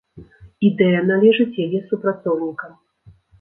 Ідэя належыць яе супрацоўнікам.